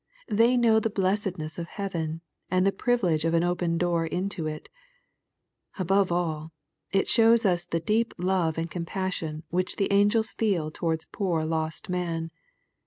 They know the blessedness of heaven, and the privilege of an open door into it. — ^Above all, it shows us the deep love and compassion which the angels feel towards pool lost man.